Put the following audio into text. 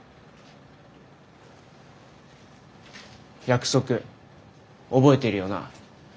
約束覚えているよな？